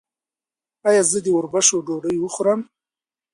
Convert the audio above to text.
ایا زه د وربشو ډوډۍ وخورم؟